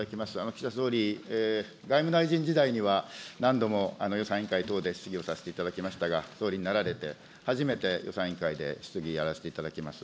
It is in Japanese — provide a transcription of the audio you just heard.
岸田総理、外務大臣時代には、何度も予算委員会等で質疑をさせていただきましたが、総理になられて、初めて予算委員会で質疑やらせていただきます。